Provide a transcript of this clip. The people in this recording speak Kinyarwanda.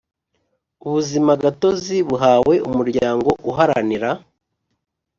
Ubuzimagatozi buhawe Umuryango Uharanira